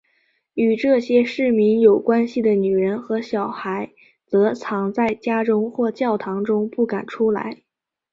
与这些市民有关系的女人和小孩则藏在家中或教堂中不敢出来。